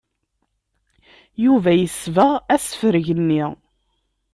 Yuba yesbeɣ isefreg-nni.